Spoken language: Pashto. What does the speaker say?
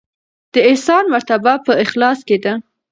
د احسان مرتبه په اخلاص کې ده.